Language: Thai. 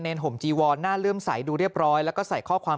ห่มจีวอนหน้าเลื่อมใสดูเรียบร้อยแล้วก็ใส่ข้อความ